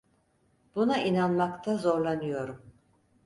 Buna inanmakta zorlanıyorum.